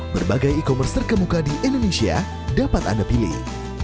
berbagai e commerce terkemuka di indonesia dapat anda pilih